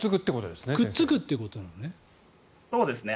くっつくということですね。